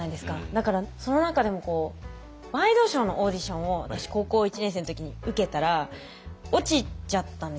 だからその中でもワイドショーのオーディションを私高校１年生の時に受けたら落ちちゃったんですよ。